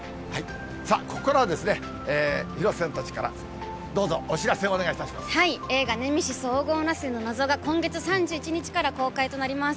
さあ、ここからは広瀬さんたちから、どうぞ、お知らせをお願いいたし映画、ネメシス黄金螺旋の謎が、今月３１日から公開となります。